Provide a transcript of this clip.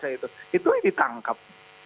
itu yang ditangkap